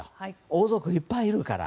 王族いっぱいいるから。